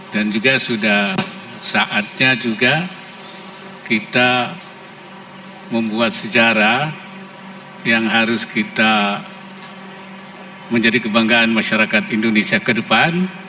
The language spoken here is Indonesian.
dan juga sudah saatnya juga kita membuat sejarah yang harus kita menjadi kebanggaan masyarakat indonesia ke depan